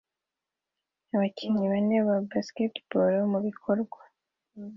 Abakinnyi bane ba basketball mubikorwa